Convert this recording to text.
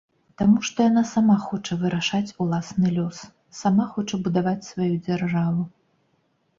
Таму што яна сама хоча вырашаць уласны лёс, сама хоча будаваць сваю дзяржаву.